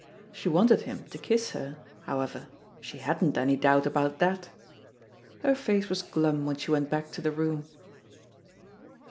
She wanted him to kiss her, however — she hadn't any doubt about that. Her face was glum when she went back to the room.